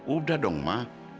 udah dong ma